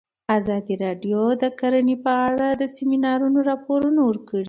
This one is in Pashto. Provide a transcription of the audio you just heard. ازادي راډیو د کرهنه په اړه د سیمینارونو راپورونه ورکړي.